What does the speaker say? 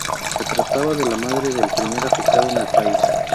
Se trataba de la madre del primer afectado en el país.